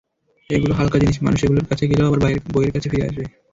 এগুলো হালকা জিনিস, মানুষ এগুলোর কাছে গেলেও আবার বইয়ের কাছে ফিরে আসবে।